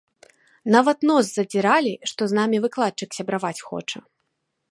Нават нос задзіралі, што з намі выкладчык сябраваць хоча.